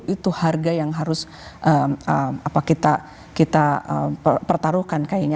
itu harga yang harus kita pertaruhkan kayaknya